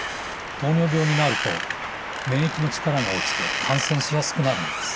糖尿病になると免疫の力が落ちて感染しやすくなるんです。